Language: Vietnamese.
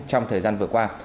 trong thời gian vừa qua